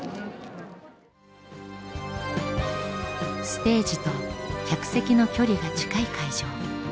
ステージと客席の距離が近い会場。